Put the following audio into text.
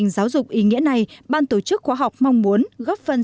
giáo dục ý nghĩa này ban tổ chức khoa học mong muốn góp phần